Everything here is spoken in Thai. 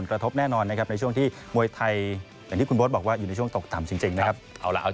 ก็ต้องเอาใจช่วยนะครับเพราะว่าอย่างที่ทราบกัน